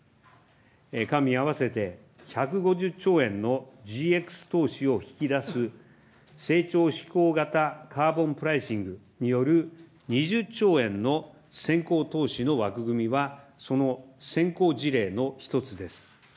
官民合わせて１５０兆円のＧＸ投資を引き出す、成長志向型カーボンプライシングによる２０兆円の先行投資の枠組みはその先行事例の一つです。